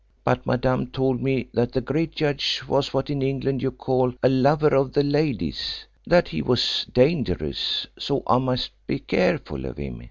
But Madame told me that the great judge was what in England you call a lover of the ladies that he was dangerous so I must be careful of him.